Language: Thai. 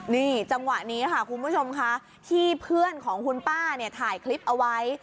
นี่จังหวะนี้ค่ะคุณผู้ชมค่ะที่เพื่อนของคุณป้าเนี่ยถ่ายคลิปเอาไว้